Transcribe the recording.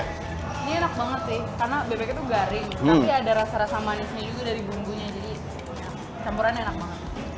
ini enak banget sih karena bebek itu garing tapi ada rasa rasa manisnya juga dari bumbunya jadi campurannya enak banget